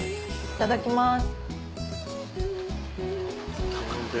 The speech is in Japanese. いただきます。